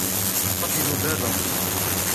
قفلوا بابهم.